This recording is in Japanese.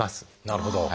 なるほど。